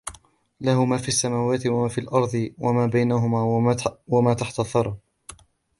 له ما في السماوات وما في الأرض وما بينهما وما تحت الثرى